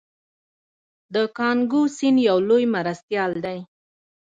د کانګو سیند یو لوی مرستیال دی.